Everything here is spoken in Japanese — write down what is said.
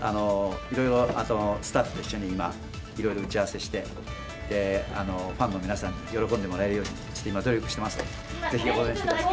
いろいろ、あとスタッフと一緒に、いろいろ打ち合わせして、ファンの皆さんに喜んでもらえるように、今、努力していますので、応援してください。